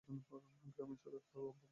গ্রামে চোরের তো অভাব নাই।